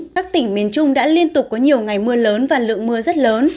các tỉnh miền trung đã liên tục có nhiều ngày mưa lớn và lượng mưa rất lớn